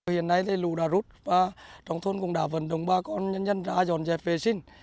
hiện nay lũ đã rút và trong thôn cũng đã vận động bà con nhân dân ra dọn dẹp vệ sinh